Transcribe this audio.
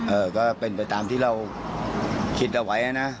เออก็เป็นไปตามที่เราคิดเอาไว้นะ